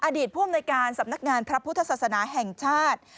ผู้อำนวยการสำนักงานพระพุทธศาสนาแห่งชาติ